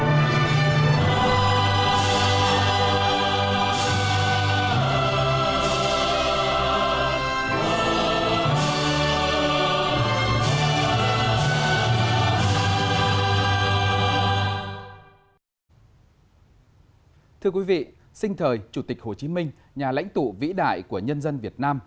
xin chào quý vị sinh thời chủ tịch hồ chí minh nhà lãnh tụ vĩ đại của nhân dân việt nam